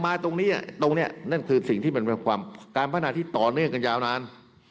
ตรงนี้ตรงนี้นั่นคือสิ่งที่มันเป็นความการพัฒนาที่ต่อเนื่องกันยาวนาน